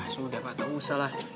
sudah pak tak usah lah